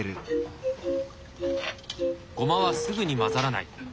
ごまはすぐに混ざらない。